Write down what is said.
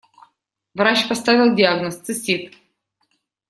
Врач поставил диагноз «цистит».